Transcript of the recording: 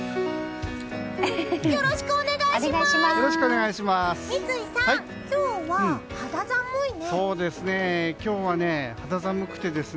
よろしくお願いします！